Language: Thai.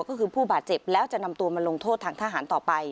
ก็คือผู้บาดเจ็บแล้วจะนำตัวมาลงโทษทางทหารต่อไป